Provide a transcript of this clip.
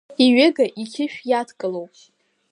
Иҩыга иқьышә иадкылоуп.